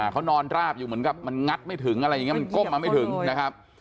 เขานอนราบอยู่เหมือนกับมันงัดไม่ถึงอะไรอย่างนี้มันก้มมาไม่ถึงนะครับ